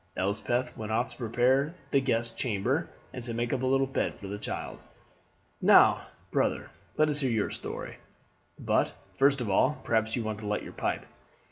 Elspeth went off to prepare the guest's chamber and to make up a little bed for the child. "Now, brother, let us hear your story; but, first of all, perhaps you want to light your pipe?"